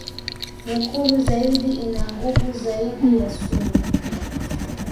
nyekundu zaidi ina nguvu zaidi ya sumu